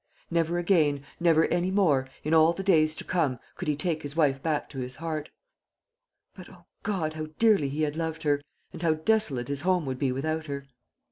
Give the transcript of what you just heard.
Never again, never any more, in all the days to come, could he take his wife back to his heart; but, O God, how dearly he had loved her, and how desolate his home would be without her!